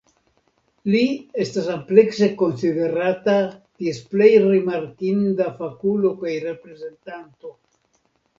Li estas amplekse konsiderata ties plej rimarkinda fakulo kaj reprezentanto.